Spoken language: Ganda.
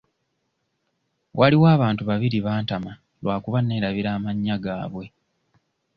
Waliwo abantu babiri bantama lwakuba neerabira amannya gaabwe.